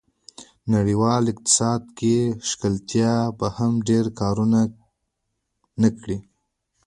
د نړیوال اقتصاد کې ښکېلتیا به هم ډېر کار و نه کړي.